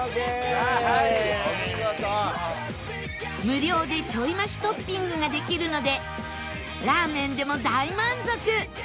無料でちょい増しトッピングができるのでラーメンでも大満足